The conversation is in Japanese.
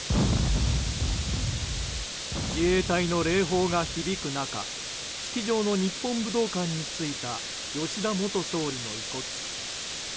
自衛隊の礼砲が響く中式場の日本武道館に着いた吉田元総理の遺骨。